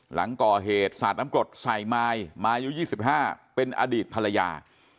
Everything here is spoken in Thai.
หลังก่อเหตุสาดน้ำกรดใส่มายมายุ๒๕เป็นอดีตภรรยา